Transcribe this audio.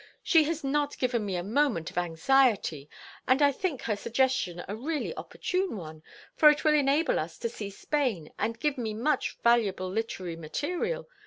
She has not given me a moment of anxiety, and I think her suggestion a really opportune one, for it will enable us to see Spain and give me much valuable literary material.